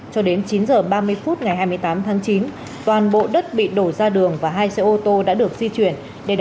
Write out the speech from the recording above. cho đến chín h ba mươi phút ngày hai mươi tám tháng chín toàn bộ đất bị đổ ra đường và hai xe ô tô đã được di chuyển